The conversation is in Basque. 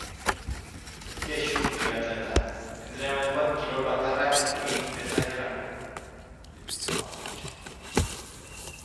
Kexu triatleta, entrenamenduan, kirol bakarrak egin dezakeelako.